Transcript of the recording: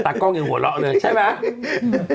กล้องยังหัวเราะเลยใช่ไหม